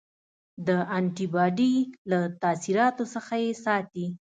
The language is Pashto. د انټي باډي له تاثیراتو څخه یې ساتي.